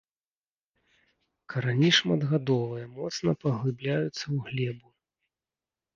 Карані шматгадовыя, моцна паглыбляюцца ў глебу.